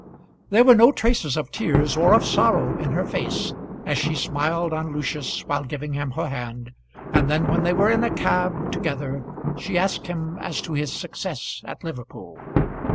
There were no traces of tears or of sorrow in her face as she smiled on Lucius while giving him her hand, and then when they were in a cab together she asked him as to his success at Liverpool.